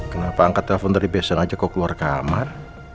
kenapa angkat telepon dari passion aja kok keluar kamar